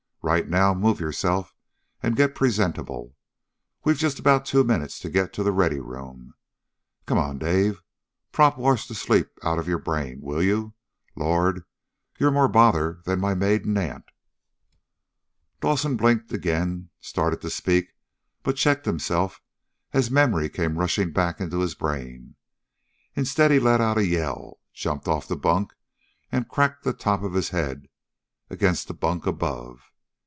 "Right now, move yourself, and get presentable. We've just about two minutes to get to the Ready Room. Come on, Dave! Prop wash the sleep out of your brain, will you? Lord! You're more bother than my maiden aunt!" Dawson blinked again, started to speak, but checked himself as memory came rushing back into his brain. Instead he let out a yell, jumped off the bunk and cracked the top of his head against the bunk above.